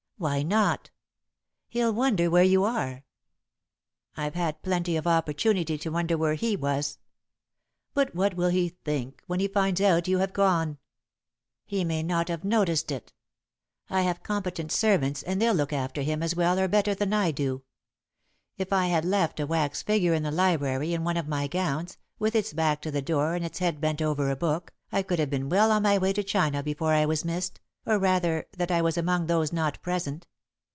"Why not?" "He'll wonder where you are." "I've had plenty of opportunity to wonder where he was." "But what will he think, when he finds out you have gone?" "He may not have noticed it. I have competent servants and they'll look after him as well or better than I do. If I had left a wax figure in the library, in one of my gowns, with its back to the door and its head bent over a book, I could have been well on my way to China before I was missed, or, rather, that I was among those not present.